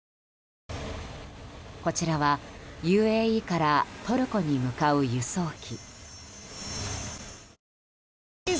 こちらは、ＵＡＥからトルコに向かう輸送機。